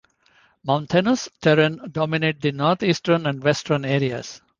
Mountainous terrain dominate the northeastern and western areas.